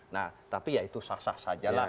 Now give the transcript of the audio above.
nah tapi ya itu sah sah sajalah